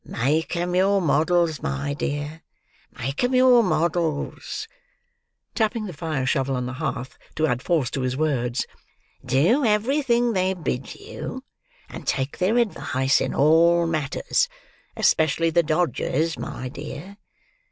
Make 'em your models, my dear. Make 'em your models," tapping the fire shovel on the hearth to add force to his words; "do everything they bid you, and take their advice in all matters—especially the Dodger's, my dear.